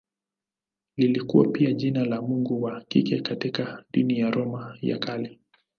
Lilikuwa pia jina la mungu wa kike katika dini ya Roma ya Kale.